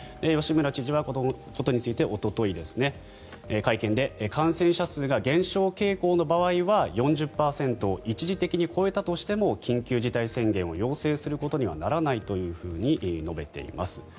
吉村知事はこのことについておととい、会見で感染者数が減少傾向の場合は４０％を一時的に超えたとしても緊急事態宣言を要請することにはならないというふうに述べています。